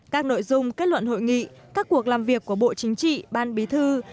các nội dung kết luận hội nghị các cuộc làm việc của bộ chính trị ban bí thư